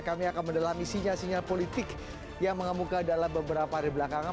kami akan mendalami sinyal sinyal politik yang mengemuka dalam beberapa hari belakangan